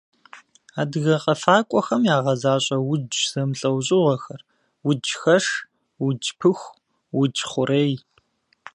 Адыгэ къэфакӏуэхэм ягъэзащӏэ удж зэмылӏэужьыгъуэхэр: уджхэш, удж пыху, удж хъурей.